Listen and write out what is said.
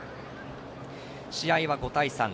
試合は５対３。